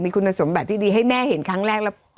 คุณสมบัติที่ดีให้แม่เห็นครั้งแรกแล้ว